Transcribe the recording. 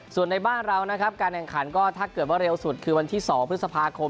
ส่วนในบ้านเรานะครับการแข่งขันก็ถ้าเกิดว่าเร็วสุดคือวันที่๒พฤษภาคม